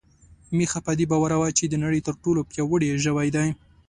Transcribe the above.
میښه په دې باور وه چې د نړۍ تر ټولو پياوړې ژوی ده.